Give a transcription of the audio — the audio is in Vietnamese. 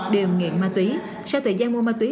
đều nghiện ma túy sau thời gian mua ma túy